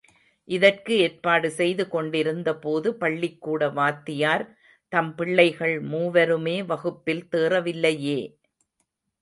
இதற்கு ஏற்பாடு செய்து கொண்டிருந்தபோது, பள்ளிக்கூட வாத்தியார் தம் பிள்ளைகள் மூவருமே வகுப்பில் தேறவில்லையே.